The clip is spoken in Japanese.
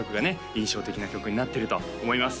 印象的な曲になってると思います